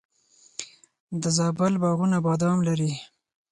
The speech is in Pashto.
د زابل باغونه بادام لري.